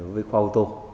với khoa ô tô